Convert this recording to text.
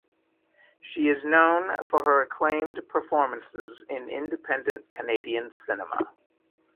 She is known for her acclaimed performances in independent Canadian cinema.